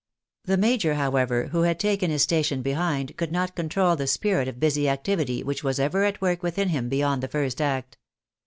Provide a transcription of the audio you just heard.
The major, however, who had taken his station behind, could not control the spirit of busy activity which was ever at work within him beyond the first act.